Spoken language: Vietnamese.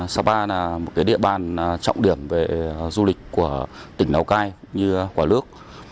sapa là một địa bàn trọng điểm về du lịch của tỉnh lào cai như quả lước